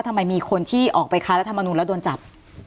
แต่ให้มีคนที่จะไปขาระธรรมนูนและโดนจับ